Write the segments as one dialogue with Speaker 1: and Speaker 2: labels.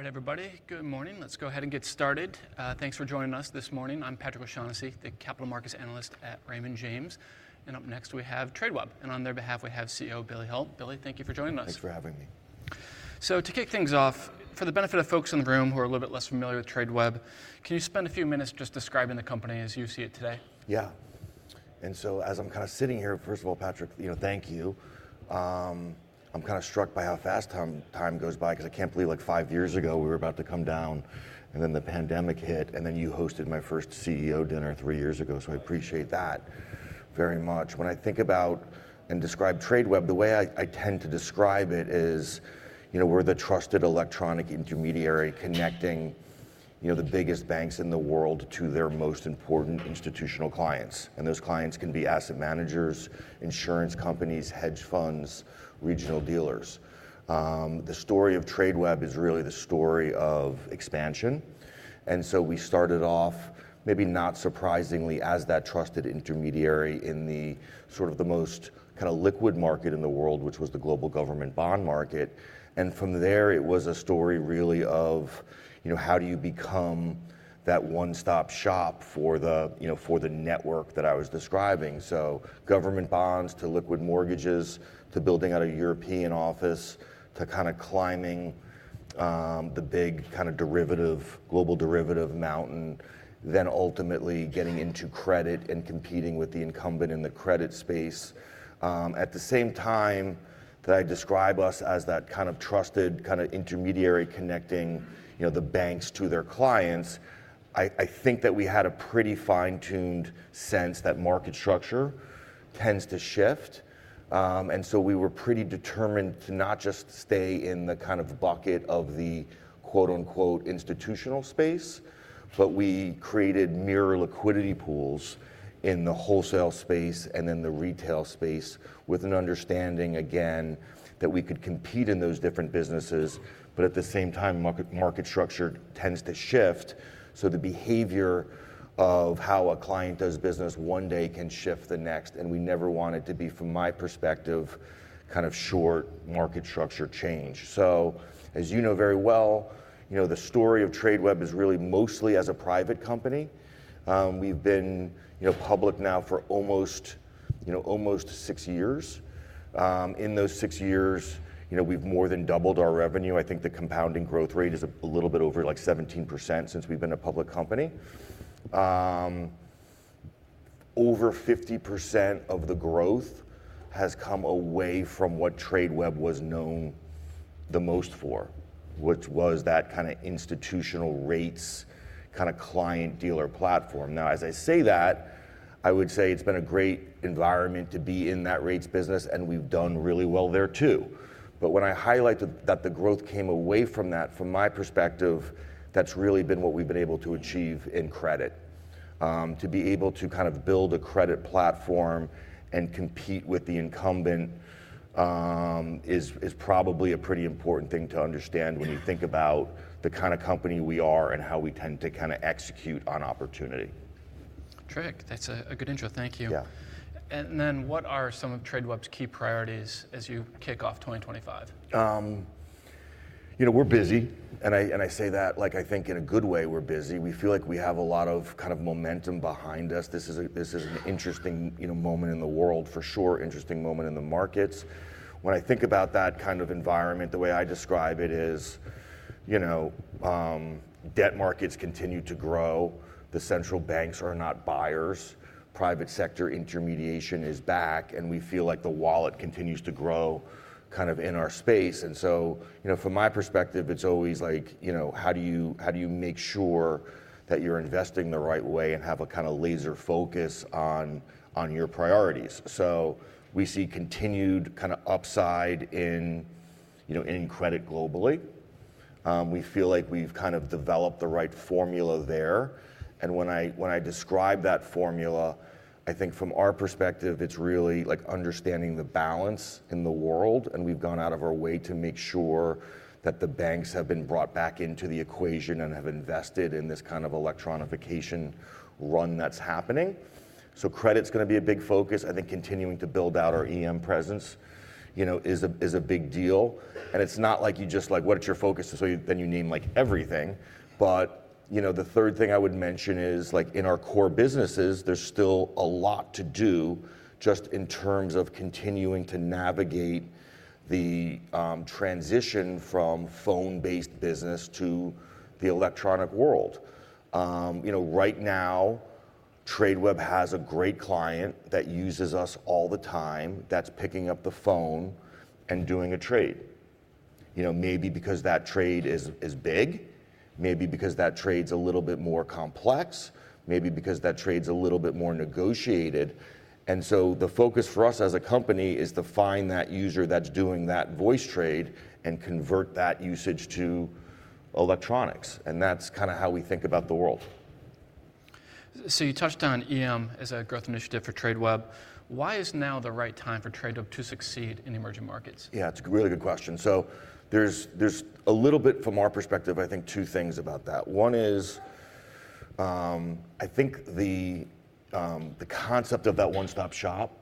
Speaker 1: All right, everybody. Good morning. Let's go ahead and get started. Thanks for joining us this morning. I'm Patrick O'Shaughnessy, the Capital Markets Analyst at Raymond James. Up next, we have Tradeweb. On their behalf, we have CEO Billy Hult. Billy, thank you for joining us.
Speaker 2: Thanks for having me.
Speaker 1: So to kick things off, for the benefit of folks in the room who are a little bit less familiar with Tradeweb, can you spend a few minutes just describing the company as you see it today?
Speaker 2: Yeah. And so as I'm kind of sitting here, first of all, Patrick, thank you. I'm kind of struck by how fast time goes by because I can't believe like five years ago we were about to come down, and then the pandemic hit, and then you hosted my first CEO dinner three years ago. So I appreciate that very much. When I think about and describe Tradeweb, the way I tend to describe it is we're the trusted electronic intermediary connecting the biggest banks in the world to their most important institutional clients. And those clients can be asset managers, insurance companies, hedge funds, regional dealers. The story of Tradeweb is really the story of expansion. And so we started off, maybe not surprisingly, as that trusted intermediary in the sort of the most kind of liquid market in the world, which was the global government bond market. And from there, it was a story really of how do you become that one-stop shop for the network that I was describing. So government bonds to liquid mortgages to building out a European office to kind of climbing the big kind of global derivative mountain, then ultimately getting into credit and competing with the incumbent in the credit space. At the same time that I describe us as that kind of trusted kind of intermediary connecting the banks to their clients, I think that we had a pretty fine-tuned sense that market structure tends to shift. And so we were pretty determined to not just stay in the kind of bucket of the quote unquote institutional space, but we created mirror liquidity pools in the wholesale space and in the retail space with an understanding, again, that we could compete in those different businesses. But at the same time, market structure tends to shift. So the behavior of how a client does business one day can shift the next. And we never want it to be, from my perspective, kind of short market structure change. So as you know very well, the story of Tradeweb is really mostly as a private company. We've been public now for almost six years. In those six years, we've more than doubled our revenue. I think the compounding growth rate is a little bit over like 17% since we've been a public company. Over 50% of the growth has come away from what Tradeweb was known the most for, which was that kind of institutional rates kind of client dealer platform. Now, as I say that, I would say it's been a great environment to be in that rates business, and we've done really well there too. But when I highlighted that the growth came away from that, from my perspective, that's really been what we've been able to achieve in credit. To be able to kind of build a credit platform and compete with the incumbent is probably a pretty important thing to understand when you think about the kind of company we are and how we tend to kind of execute on opportunity.
Speaker 1: Terrific. That's a good intro. Thank you.
Speaker 2: Yeah.
Speaker 1: What are some of Tradeweb's key priorities as you kick off 2025?
Speaker 2: We're busy, and I say that, I think, in a good way, we're busy. We feel like we have a lot of kind of momentum behind us. This is an interesting moment in the world, for sure, interesting moment in the markets. When I think about that kind of environment, the way I describe it is debt markets continue to grow. The central banks are not buyers. Private sector intermediation is back, and we feel like the wallet continues to grow kind of in our space, and so from my perspective, it's always like, how do you make sure that you're investing the right way and have a kind of laser focus on your priorities, so we see continued kind of upside in credit globally. We feel like we've kind of developed the right formula there. And when I describe that formula, I think from our perspective, it's really understanding the balance in the world. And we've gone out of our way to make sure that the banks have been brought back into the equation and have invested in this kind of electronification run that's happening. So credit's going to be a big focus. I think continuing to build out our EM presence is a big deal. And it's not like you just like, what's your focus? So then you name like everything. But the third thing I would mention is in our core businesses, there's still a lot to do just in terms of continuing to navigate the transition from phone-based business to the electronic world. Right now, Tradeweb has a great client that uses us all the time that's picking up the phone and doing a trade. Maybe because that trade is big, maybe because that trade's a little bit more complex, maybe because that trade's a little bit more negotiated. And so the focus for us as a company is to find that user that's doing that voice trade and convert that usage to electronics. And that's kind of how we think about the world.
Speaker 1: So you touched on EM as a growth initiative for Tradeweb. Why is now the right time for Tradeweb to succeed in emerging markets?
Speaker 2: Yeah, it's a really good question. So there's a little bit from our perspective, I think, two things about that. One is I think the concept of that one-stop shop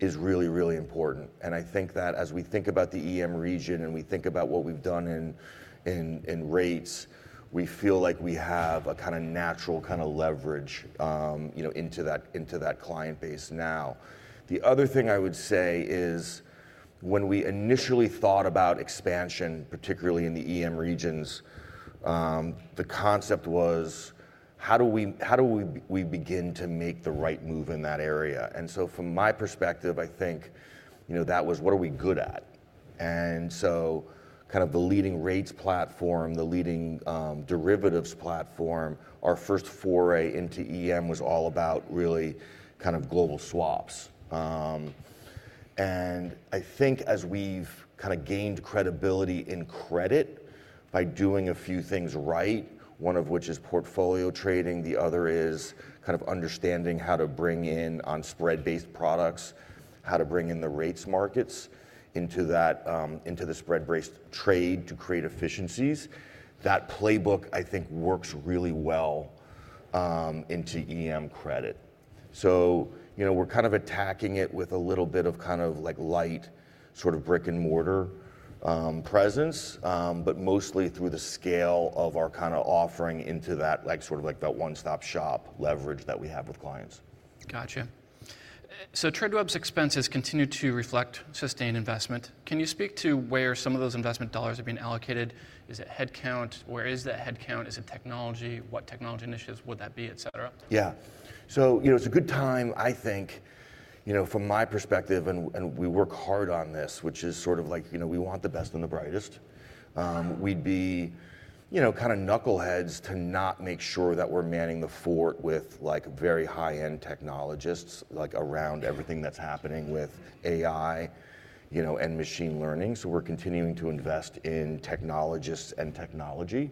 Speaker 2: is really, really important. And I think that as we think about the EM region and we think about what we've done in rates, we feel like we have a kind of natural kind of leverage into that client base now. The other thing I would say is when we initially thought about expansion, particularly in the EM regions, the concept was, how do we begin to make the right move in that area? And so from my perspective, I think that was, what are we good at? And so kind of the leading rates platform, the leading derivatives platform, our first foray into EM was all about really kind of global swaps. I think as we've kind of gained credibility in credit by doing a few things right, one of which is portfolio trading, the other is kind of understanding how to bring in on spread-based products, how to bring in the rates markets into the spread-based trade to create efficiencies, that playbook, I think, works really well into EM credit. We're kind of attacking it with a little bit of kind of light sort of brick and mortar presence, but mostly through the scale of our kind of offering into that sort of like that one-stop shop leverage that we have with clients.
Speaker 1: Gotcha. So Tradeweb's expenses continue to reflect sustained investment. Can you speak to where some of those investment dollars are being allocated? Is it headcount? Where is the headcount? Is it technology? What technology initiatives would that be, et cetera?
Speaker 2: Yeah, so it's a good time, I think, from my perspective, and we work hard on this, which is sort of like we want the best and the brightest. We'd be kind of knuckleheads to not make sure that we're manning the fort with very high-end technologists around everything that's happening with AI and machine learning. So we're continuing to invest in technologists and technology,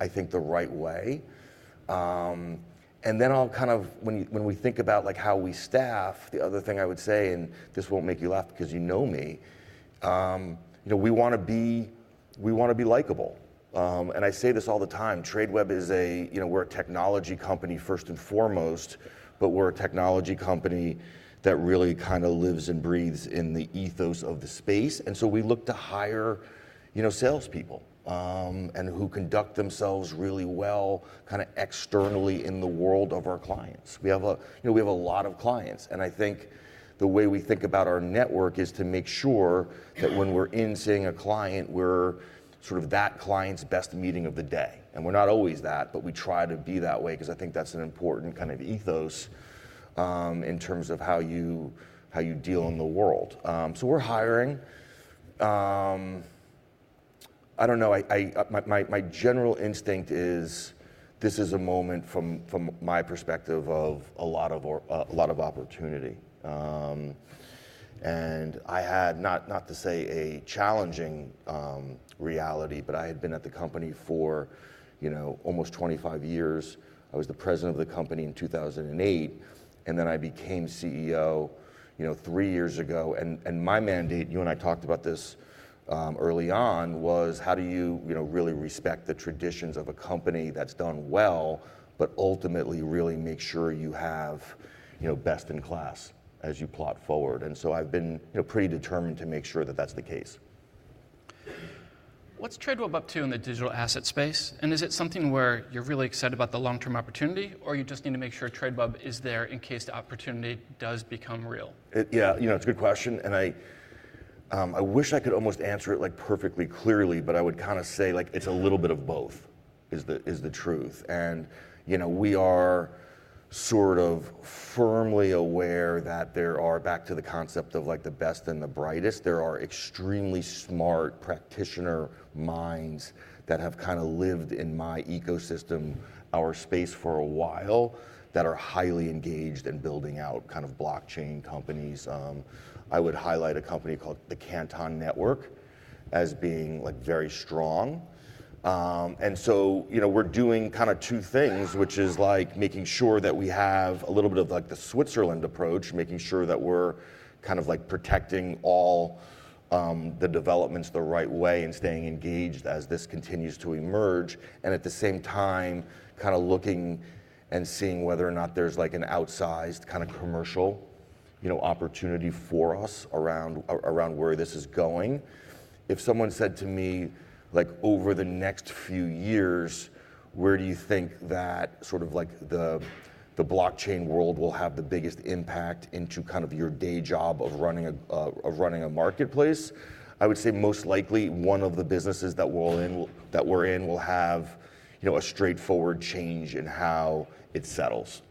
Speaker 2: I think, the right way, and then I'll kind of when we think about how we staff, the other thing I would say, and this won't make you laugh because you know me, we want to be likable, and I say this all the time. Tradeweb is. We're a technology company first and foremost, but we're a technology company that really kind of lives and breathes in the ethos of the space. And so we look to hire salespeople who conduct themselves really well, kind of externally in the world of our clients. We have a lot of clients. And I think the way we think about our network is to make sure that when we're in, seeing a client, we're sort of that client's best meeting of the day. And we're not always that, but we try to be that way because I think that's an important kind of ethos in terms of how you deal in the world. So we're hiring. I don't know. My general instinct is this is a moment from my perspective of a lot of opportunity. And I had, not to say a challenging reality, but I had been at the company for almost 25 years. I was the President of the company in 2008. And then I became CEO three years ago. And my mandate, you and I talked about this early on, was how do you really respect the traditions of a company that's done well, but ultimately really make sure you have best in class as you plot forward. And so I've been pretty determined to make sure that that's the case.
Speaker 1: What's Tradeweb up to in the digital asset space? And is it something where you're really excited about the long-term opportunity, or you just need to make sure Tradeweb is there in case the opportunity does become real?
Speaker 2: Yeah, it's a good question. And I wish I could almost answer it perfectly clearly, but I would kind of say it's a little bit of both is the truth. And we are sort of firmly aware that there are back to the concept of the best and the brightest. There are extremely smart practitioner minds that have kind of lived in my ecosystem, our space for a while, that are highly engaged in building out kind of blockchain companies. I would highlight a company called the Canton Network as being very strong. And so we're doing kind of two things, which is making sure that we have a little bit of the Switzerland approach, making sure that we're kind of protecting all the developments the right way and staying engaged as this continues to emerge. And at the same time, kind of looking and seeing whether or not there's an outsized kind of commercial opportunity for us around where this is going. If someone said to me, over the next few years, where do you think that sort of the blockchain world will have the biggest impact into kind of your day job of running a marketplace, I would say most likely one of the businesses that we're in will have a straightforward change in how it settles.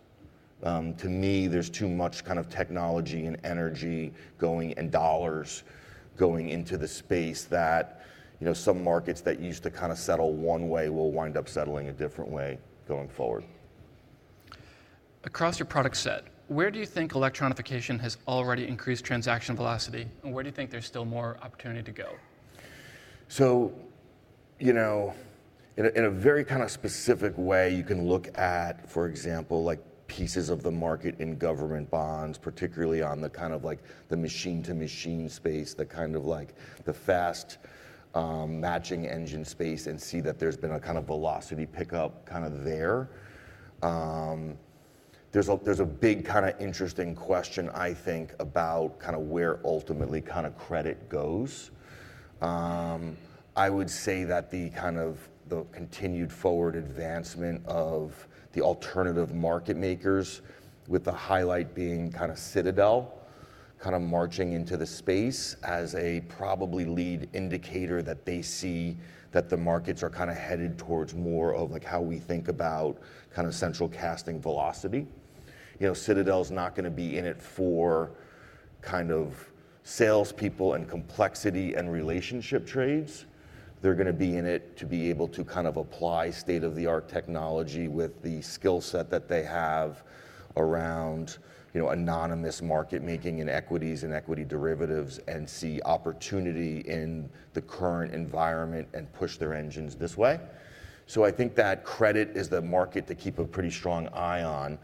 Speaker 2: To me, there's too much kind of technology and energy going and dollars going into the space that some markets that used to kind of settle one way will wind up settling a different way going forward.
Speaker 1: Across your product set, where do you think electronification has already increased transaction velocity? And where do you think there's still more opportunity to go?
Speaker 2: So in a very kind of specific way, you can look at, for example, pieces of the market in government bonds, particularly on the kind of machine-to-machine space, the kind of the fast matching engine space, and see that there's been a kind of velocity pickup kind of there. There's a big kind of interesting question, I think, about kind of where ultimately kind of credit goes. I would say that the kind of the continued forward advancement of the alternative market makers, with the highlight being kind of Citadel kind of marching into the space as a probably lead indicator that they see that the markets are kind of headed towards more of how we think about kind of central casting velocity. Citadel's not going to be in it for kind of salespeople and complexity and relationship trades. They're going to be in it to be able to kind of apply state-of-the-art technology with the skill set that they have around anonymous market making and equities and equity derivatives and see opportunity in the current environment and push their engines this way. So I think that credit is the market to keep a pretty strong eye on.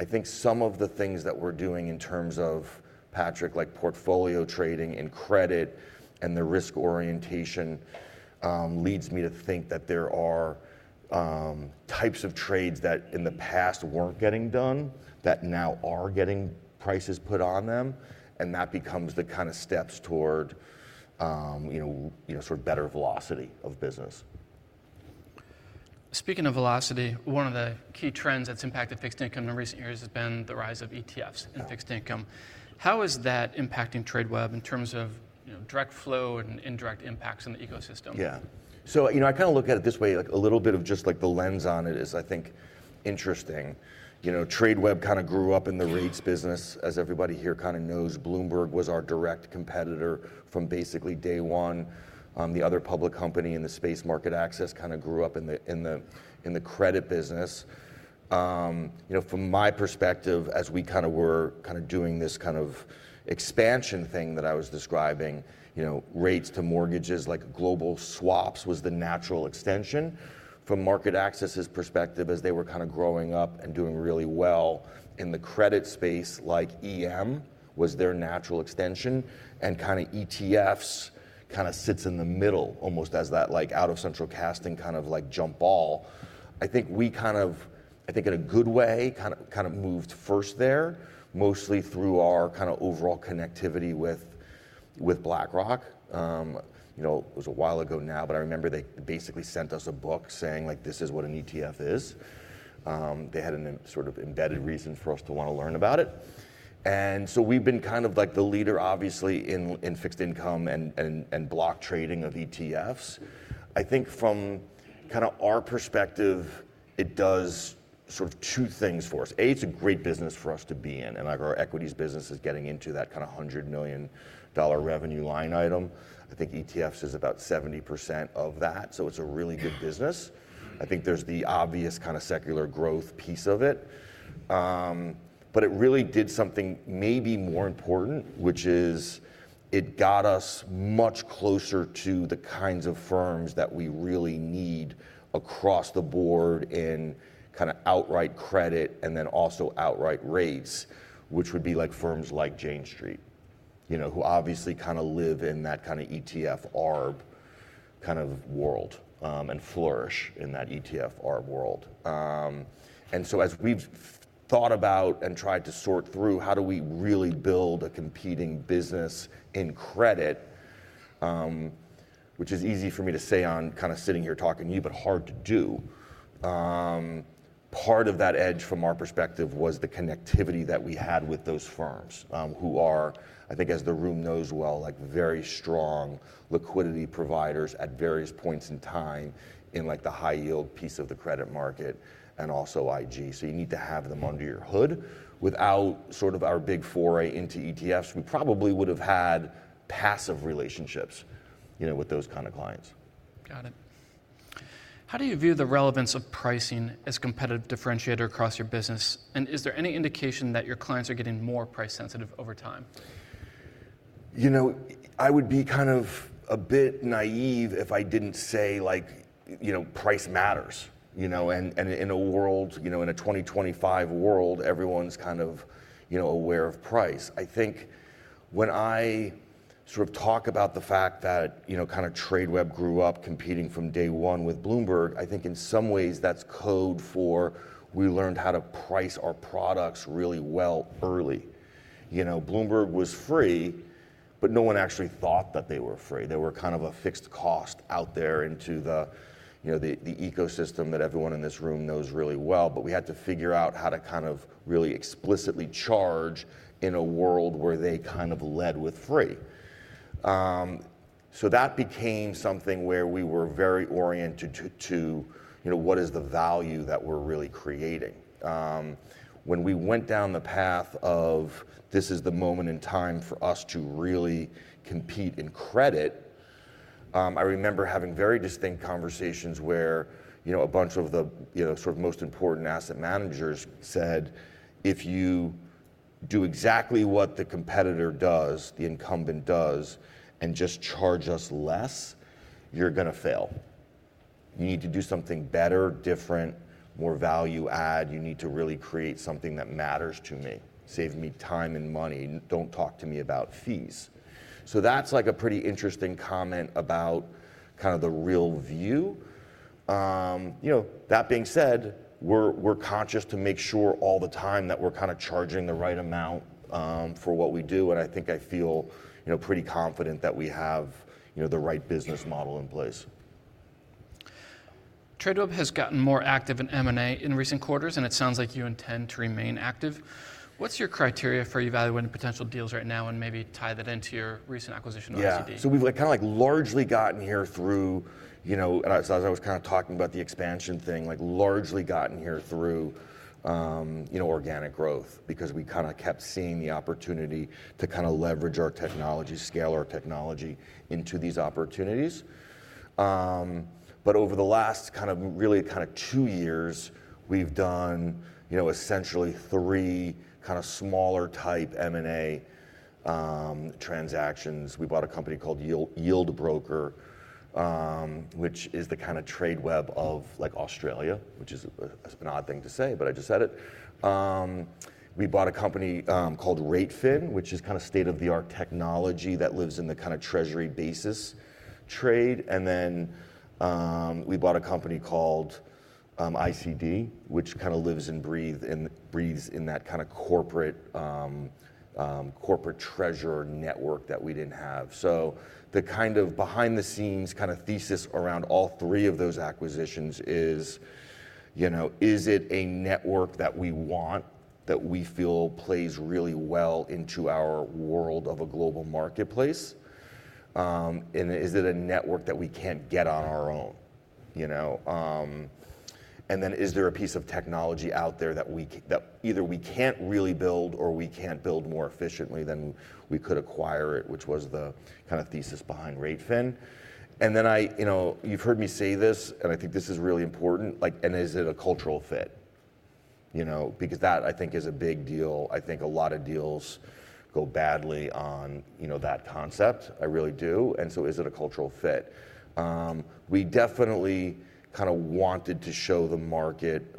Speaker 2: I think some of the things that we're doing in terms of, Patrick, like portfolio trading and credit and the risk orientation leads me to think that there are types of trades that in the past weren't getting done that now are getting prices put on them, and that becomes the kind of steps toward sort of better velocity of business.
Speaker 1: Speaking of velocity, one of the key trends that's impacted fixed income in recent years has been the rise of ETFs and fixed income. How is that impacting Tradeweb in terms of direct flow and indirect impacts in the ecosystem?
Speaker 2: Yeah. So I kind of look at it this way. A little bit of just the lens on it is, I think, interesting. Tradeweb kind of grew up in the rates business. As everybody here kind of knows, Bloomberg was our direct competitor from basically day one. The other public company in the space, MarketAxess, kind of grew up in the credit business. From my perspective, as we kind of were kind of doing this kind of expansion thing that I was describing, rates to mortgages, like global swaps, was the natural extension from MarketAxess's perspective as they were kind of growing up and doing really well in the credit space. Like EM was their natural extension. And kind of ETFs kind of sits in the middle, almost as that out-of-central casting kind of jump ball. I think we kind of, I think in a good way, kind of moved first there, mostly through our kind of overall connectivity with BlackRock. It was a while ago now, but I remember they basically sent us a book saying this is what an ETF is. They had a sort of embedded reason for us to want to learn about it. And so we've been kind of like the leader, obviously, in fixed income and block trading of ETFs. I think from kind of our perspective, it does sort of two things for us. A, it's a great business for us to be in. And our equities business is getting into that kind of $100 million revenue line item. I think ETFs is about 70% of that. So it's a really good business. I think there's the obvious kind of secular growth piece of it. But it really did something maybe more important, which is it got us much closer to the kinds of firms that we really need across the board in kind of outright credit and then also outright rates, which would be firms like Jane Street, who obviously kind of live in that kind of ETF arb kind of world and flourish in that ETF arb world. And so as we've thought about and tried to sort through how do we really build a competing business in credit, which is easy for me to say on kind of sitting here talking to you, but hard to do. Part of that edge from our perspective was the connectivity that we had with those firms who are, I think, as the room knows well, very strong liquidity providers at various points in time in the high-yield piece of the credit market and also IG. You need to have them under your hood. Without sort of our big foray into ETFs, we probably would have had passive relationships with those kind of clients.
Speaker 1: Got it. How do you view the relevance of pricing as a competitive differentiator across your business? And is there any indication that your clients are getting more price-sensitive over time?
Speaker 2: I would be kind of a bit naive if I didn't say price matters, and in a world, in a 2025 world, everyone's kind of aware of price. I think when I sort of talk about the fact that kind of Tradeweb grew up competing from day one with Bloomberg, I think in some ways that's code for we learned how to price our products really well early. Bloomberg was free, but no one actually thought that they were free. They were kind of a fixed cost out there into the ecosystem that everyone in this room knows really well, but we had to figure out how to kind of really explicitly charge in a world where they kind of led with free, so that became something where we were very oriented to what is the value that we're really creating. When we went down the path of this is the moment in time for us to really compete in credit, I remember having very distinct conversations where a bunch of the sort of most important asset managers said, if you do exactly what the competitor does, the incumbent does, and just charge us less, you're going to fail. You need to do something better, different, more value-add. You need to really create something that matters to me, save me time and money. Don't talk to me about fees. So that's like a pretty interesting comment about kind of the real view. That being said, we're conscious to make sure all the time that we're kind of charging the right amount for what we do, and I think I feel pretty confident that we have the right business model in place.
Speaker 1: Tradeweb has gotten more active in M&A in recent quarters, and it sounds like you intend to remain active. What's your criteria for evaluating potential deals right now and maybe tie that into your recent acquisition of ICD?
Speaker 2: Yeah. So we've kind of largely gotten here through, as I was kind of talking about the expansion thing, largely gotten here through organic growth because we kind of kept seeing the opportunity to kind of leverage our technology, scale our technology into these opportunities. But over the last kind of really kind of two years, we've done essentially three kind of smaller-type M&A transactions. We bought a company called Yieldbroker, which is the kind of Tradeweb of Australia, which is an odd thing to say, but I just said it. We bought a company called r8fin, which is kind of state-of-the-art technology that lives in the kind of Treasury basis trade. And then we bought a company called ICD, which kind of lives and breathes in that kind of corporate treasury network that we didn't have. The kind of behind-the-scenes kind of thesis around all three of those acquisitions is, is it a network that we want that we feel plays really well into our world of a global marketplace? And is it a network that we can't get on our own? And then is there a piece of technology out there that either we can't really build or we can't build more efficiently than we could acquire it, which was the kind of thesis behind r8fin? And then you've heard me say this, and I think this is really important. And is it a cultural fit? Because that, I think, is a big deal. I think a lot of deals go badly on that concept. I really do. And so is it a cultural fit? We definitely kind of wanted to show the market,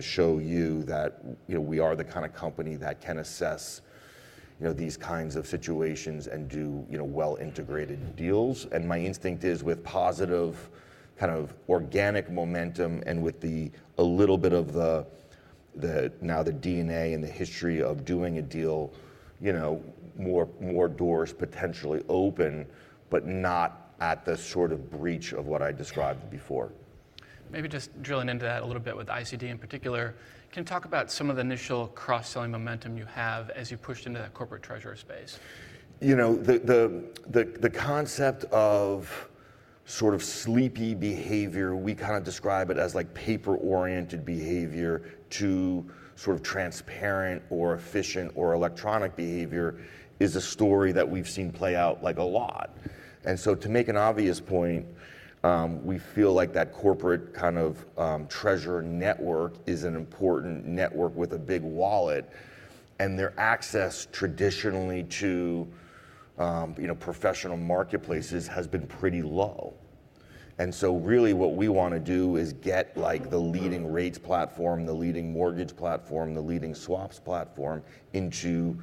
Speaker 2: show you that we are the kind of company that can assess these kinds of situations and do well-integrated deals, and my instinct is with positive kind of organic momentum and with a little bit of now the DNA and the history of doing a deal, more doors potentially open, but not at the sort of breach of what I described before.
Speaker 1: Maybe just drilling into that a little bit with ICD in particular, can you talk about some of the initial cross-selling momentum you have as you pushed into that corporate treasury space?
Speaker 2: The concept of sort of sleepy behavior, we kind of describe it as paper-oriented behavior to sort of transparent or efficient or electronic behavior, is a story that we've seen play out a lot. And so to make an obvious point, we feel like that corporate kind of treasury network is an important network with a big wallet. And their access traditionally to professional marketplaces has been pretty low. And so really what we want to do is get the leading rates platform, the leading mortgage platform, the leading swaps platform into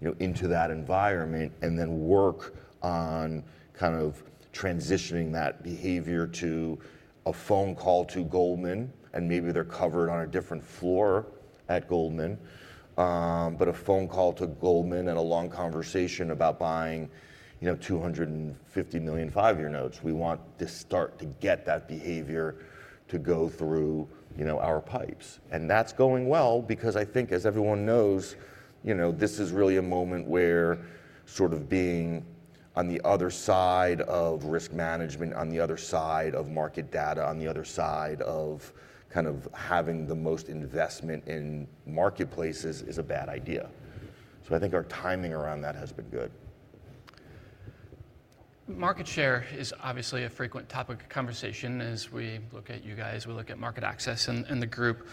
Speaker 2: that environment and then work on kind of transitioning that behavior to a phone call to Goldman. And maybe they're covered on a different floor at Goldman, but a phone call to Goldman and a long conversation about buying $250 million five-year notes. We want to start to get that behavior to go through our pipes. And that's going well because I think, as everyone knows, this is really a moment where sort of being on the other side of risk management, on the other side of market data, on the other side of kind of having the most investment in marketplaces is a bad idea. So I think our timing around that has been good.
Speaker 1: Market share is obviously a frequent topic of conversation as we look at you guys. We look at MarketAxess and the group.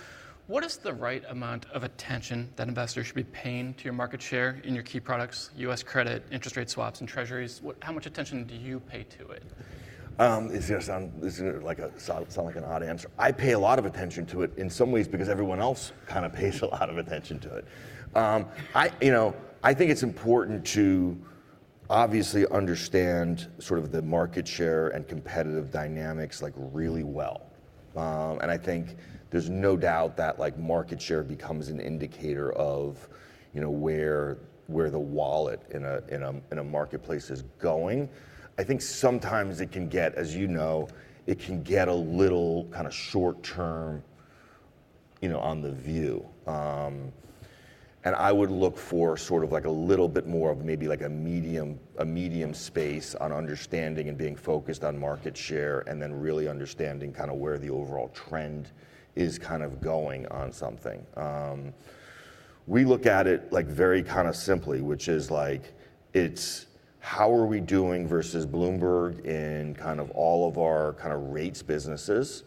Speaker 1: What is the right amount of attention that investors should be paying to your market share in your key products, US credit, interest rate swaps, and Treasuries? How much attention do you pay to it?
Speaker 2: Does that sound like an odd answer? I pay a lot of attention to it in some ways because everyone else kind of pays a lot of attention to it. I think it's important to obviously understand sort of the market share and competitive dynamics really well. And I think there's no doubt that market share becomes an indicator of where the wallet in a marketplace is going. I think sometimes it can get, as you know, it can get a little kind of short-term on the view. And I would look for sort of a little bit more of maybe a medium space on understanding and being focused on market share and then really understanding kind of where the overall trend is kind of going on something. We look at it very kind of simply, which is how are we doing versus Bloomberg in kind of all of our kind of rates businesses?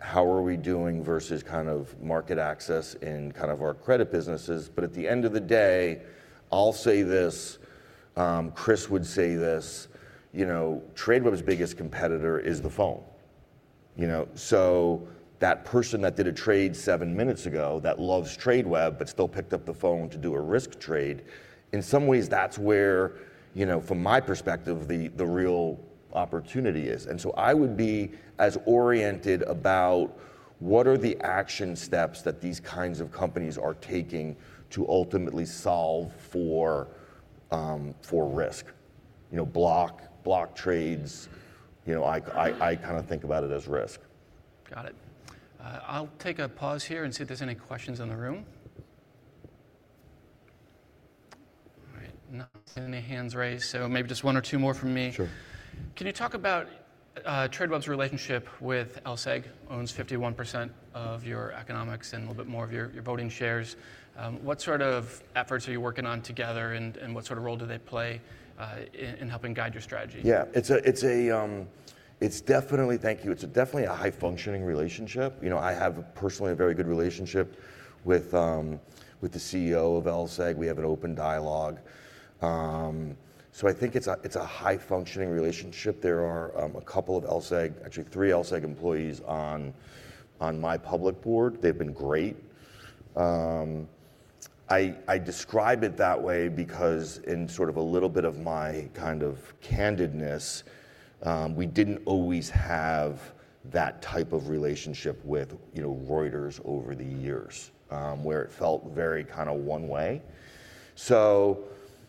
Speaker 2: How are we doing versus kind of MarketAxess in kind of our credit businesses? But at the end of the day, I'll say this, Chris would say this, Tradeweb's biggest competitor is the phone. So that person that did a trade seven minutes ago that loves Tradeweb but still picked up the phone to do a risk trade, in some ways, that's where, from my perspective, the real opportunity is. And so I would be as oriented about what are the action steps that these kinds of companies are taking to ultimately solve for risk. Block trades, I kind of think about it as risk.
Speaker 1: Got it. I'll take a pause here and see if there's any questions in the room. All right. Not seeing any hands raised. So maybe just one or two more from me.
Speaker 2: Sure.
Speaker 1: Can you talk about Tradeweb's relationship with LSEG? Owns 51% of your economics and a little bit more of your voting shares. What sort of efforts are you working on together and what sort of role do they play in helping guide your strategy?
Speaker 2: Yeah. It's definitely, thank you. It's definitely a high-functioning relationship. I have personally a very good relationship with the CEO of LSEG. We have an open dialogue. So I think it's a high-functioning relationship. There are a couple of LSEG, actually three LSEG employees on my public board. They've been great. I describe it that way because in sort of a little bit of my kind of candidness, we didn't always have that type of relationship with Reuters over the years where it felt very kind of one way. So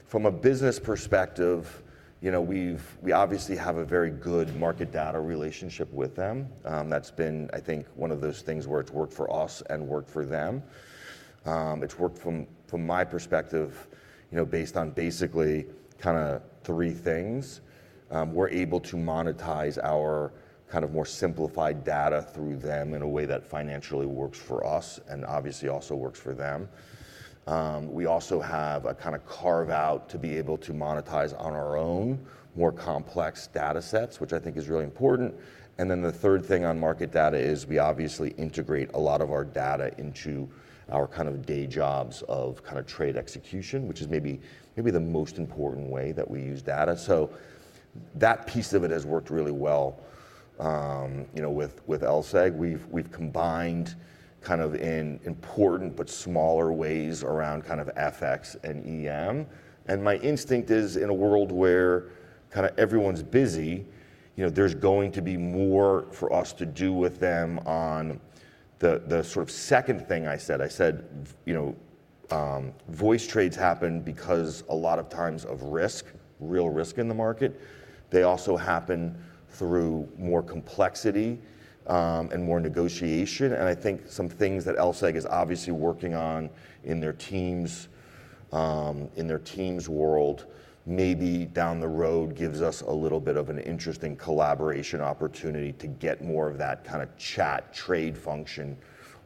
Speaker 2: from a business perspective, we obviously have a very good market data relationship with them. That's been, I think, one of those things where it's worked for us and worked for them. It's worked from my perspective based on basically kind of three things. We're able to monetize our kind of more simplified data through them in a way that financially works for us and obviously also works for them. We also have a kind of carve-out to be able to monetize on our own more complex data sets, which I think is really important. And then the third thing on market data is we obviously integrate a lot of our data into our kind of day jobs of kind of trade execution, which is maybe the most important way that we use data. So that piece of it has worked really well with LSEG. We've combined kind of in important but smaller ways around kind of FX and EM. And my instinct is in a world where kind of everyone's busy, there's going to be more for us to do with them on the sort of second thing I said. I said voice trades happen because a lot of times of risk, real risk in the market. They also happen through more complexity and more negotiation. I think some things that LSEG is obviously working on in their Teams world maybe down the road gives us a little bit of an interesting collaboration opportunity to get more of that kind of chat trade function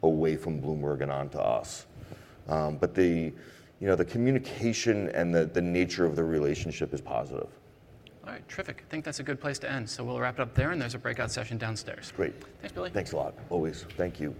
Speaker 2: away from Bloomberg and onto us. The communication and the nature of the relationship is positive.
Speaker 1: All right. Terrific. I think that's a good place to end. So we'll wrap it up there, and there's a breakout session downstairs.
Speaker 2: Great.
Speaker 1: Thanks, Billy.
Speaker 2: Thanks a lot. Always. Thank you.